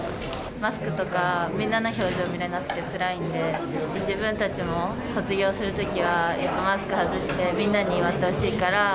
マスクとか、みんなの表情を見れなくて、つらいんで、自分たちも卒業するときは、マスク外して、みんなに祝ってほ